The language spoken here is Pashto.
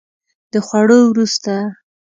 د خوړو وروسته